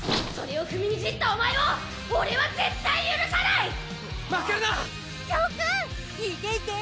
それを踏みにじったお前を俺は絶対許さない！